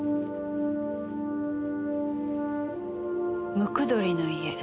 ムクドリの家。